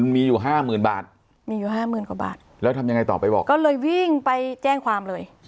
มีอยู่๕๐๐๐๐บาทต่อไปบอกก็เลยวิ่งไปแจ้งความเลย